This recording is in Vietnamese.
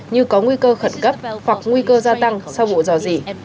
như có nguy cơ khẩn cấp hoặc nguy cơ gia tăng sau vụ dò dỉ